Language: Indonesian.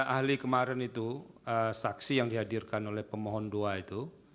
ahli kemarin itu saksi yang dihadirkan oleh pemohon dua itu